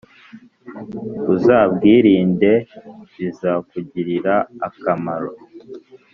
uzabwirindebizakugirira akamaro